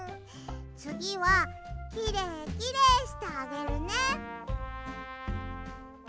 つぎはきれいきれいしてあげるね。